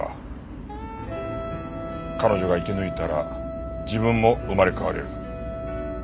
彼女が生き抜いたら自分も生まれ変われる。